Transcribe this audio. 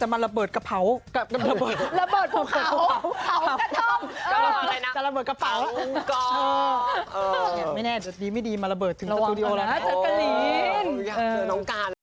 มันก็ไม่ว่าง